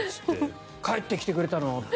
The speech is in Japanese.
帰ってきてくれたの！って。